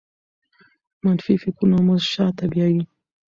منفي فکرونه مو شاته بیايي.